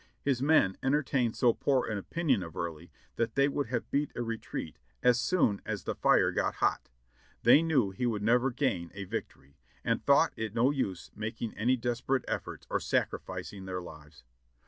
His men entertained so poor an opinion of Early that they would have beat a retreat as soon as the fire got hot. They knew he would never gain a victory, and thought it no use making any desperate ef forts or sacrificing their lives.